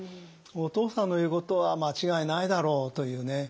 お父さんの言うことは間違いないだろうというね。